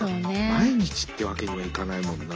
毎日ってわけにもいかないもんな。